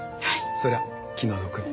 そりゃ気の毒に。